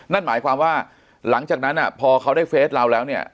นั่นหมายความว่าหลังจากนั้นพอเขาได้เฟสเราแล้วเนี่ย